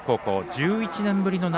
１１年ぶりの夏